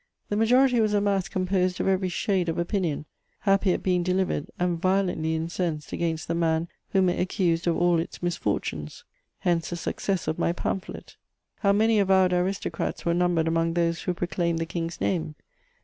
The majority was a mass composed of every shade of opinion, happy at being delivered, and violently incensed against the man whom it accused of all its misfortunes: hence the success of my pamphlet. How many avowed aristocrats were numbered among those who proclaimed the King's name?